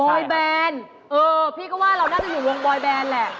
อยแบนเออพี่ก็ว่าเราน่าจะอยู่วงบอยแบนแหละ